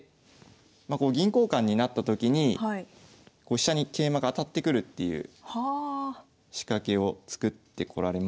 まこう銀交換になった時に飛車に桂馬が当たってくるっていう仕掛けを作ってこられました。